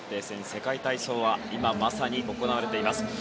世界体操は今、まさに行われています。